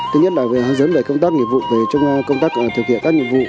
thứ nhất là hướng dẫn về công tác nhiệm vụ về công tác thực hiện các nhiệm vụ